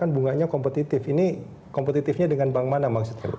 bunganya kompetitif ini kompetitifnya dengan bank mana maksudnya